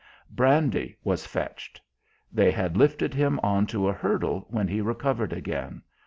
Brandy was fetched; they had lifted him on to a hurdle when he recovered again.